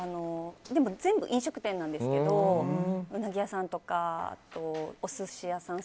全部、飲食店なんですけどウナギ屋さんとか、お寿司屋さん